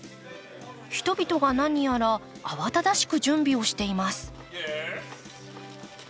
人々が何やら慌ただしく準備をしています。